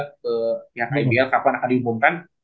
ke ibl kapan akan diumumkan